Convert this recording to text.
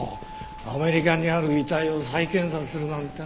アメリカにある遺体を再検査するなんて。